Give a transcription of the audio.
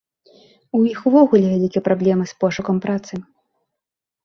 У іх увогуле вялікія праблемы з пошукам працы.